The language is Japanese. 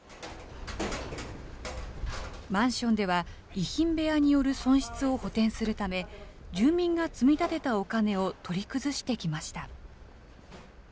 マンションでは遺品部屋による損失を補填するため、住民が積み立てたお金を取り崩してきました。